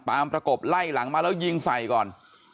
ประกบไล่หลังมาแล้วยิงใส่ก่อน